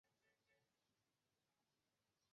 研究所的全部经费来源都是依靠私人的捐款。